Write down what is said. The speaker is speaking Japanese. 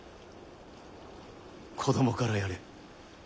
子供からやれ。